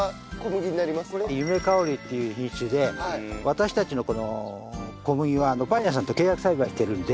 ゆめかおりっていう品種で私たちのこの小麦はパン屋さんと契約栽培しているので。